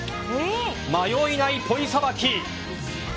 迷いないポイさばき。